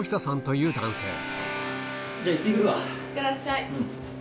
いってらっしゃい。